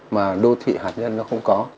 mà đô thị hạt nhân nó không có